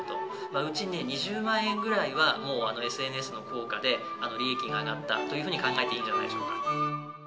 内２０万円ぐらいはＳＮＳの効果で利益が上がったというふうに考えていいんじゃないでしょうか。